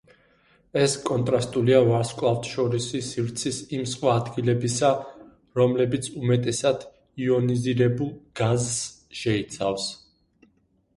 ეს კონტრასტულია ვარსკვლავთშორისი სივრცის იმ სხვა ადგილებისა, რომლებიც უმეტესად იონიზირებულ გაზს შეიცავს.